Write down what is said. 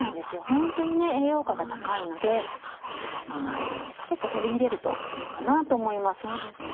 本当に栄養価が高いのでちょっと取り入れるといいかなと思います。